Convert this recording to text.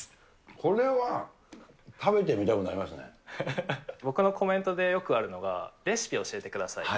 これは、食べてみたくなりま僕のコメントでよくあるのが、レシピ教えてくださいって。